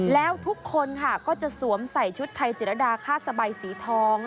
แล้วทุกคนค่ะก็จะสวมใส่ชุดไทยศิรดาคาสบายสีทอง